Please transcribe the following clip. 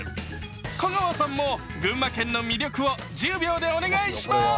香川さんも群馬県の魅力を１０秒でお願いします。